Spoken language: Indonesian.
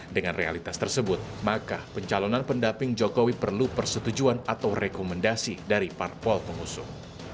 dengan realitas tersebut maka pencalonan pendamping jokowi perlu persetujuan atau rekomendasi dari parpol pengusung